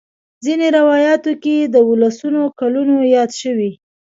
ځینې روایاتو کې د دولسو کلونو یاد شوی.